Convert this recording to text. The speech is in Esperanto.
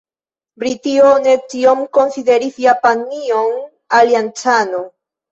Britio ne tiom konsideris Japanion aliancano.